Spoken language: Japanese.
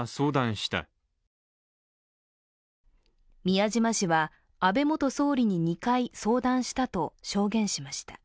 宮島氏は安倍元総理に２回相談したと証言しました。